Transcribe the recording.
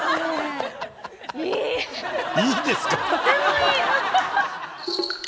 いいですか？